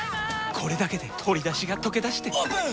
これだけで鶏だしがとけだしてオープン！